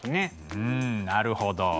うんなるほど。